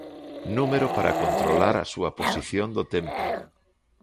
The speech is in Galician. Número para controlar a súa posición do templo.